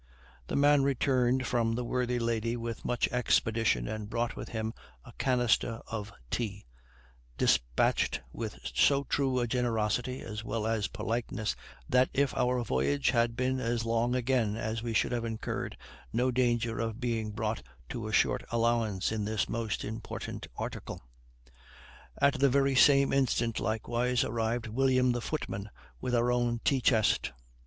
The man returned from the worthy lady with much expedition, and brought with him a canister of tea, despatched with so true a generosity, as well as politeness, that if our voyage had been as long again we should have incurred no danger of being brought to a short allowance in this most important article. At the very same instant likewise arrived William the footman with our own tea chest.